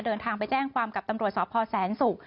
เดินทางไปแจ้งความกับตำรวจสพแสนศุกร์